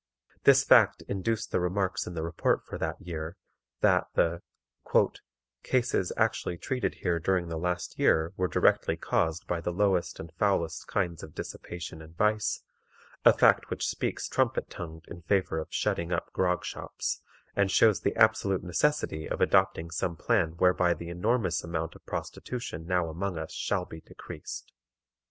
This fact induced the remarks in the report for that year, that the "cases actually treated here during the last year were directly caused by the lowest and foulest kinds of dissipation and vice, a fact which speaks trumpet tongued in favor of shutting up 'grog shops,' and shows the absolute necessity of adopting some plan whereby the enormous amount of prostitution now among us shall be decreased."